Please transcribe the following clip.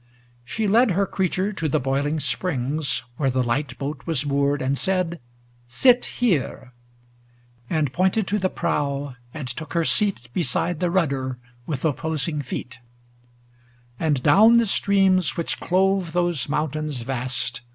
She led her creature to the boiling springs Where the light boat was moored, and said, ' Sit here !' And pointed to the prow and took her seat Beside the rudder with opposing feet. XXXVIII And down the streams which clove those mountains vast.